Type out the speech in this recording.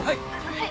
はい！